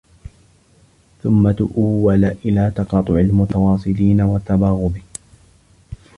ثُمَّ تُؤَوَّلُ إلَى تَقَاطُعِ الْمُتَوَاصِلِينَ ، وَتَبَاغُضِ